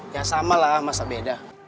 ya samalah masa beda